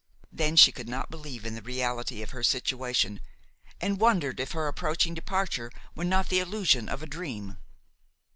Then she could not believe in the reality of her situation, and wondered if her approaching departure were not the illusion of a dream.